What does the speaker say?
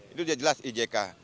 itu sudah jelas ijk